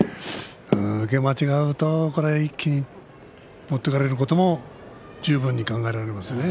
受け間違うと一気に持っていかれることも十分に考えられますね。